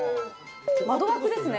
窓枠ですね。